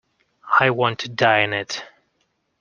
I want to die in it.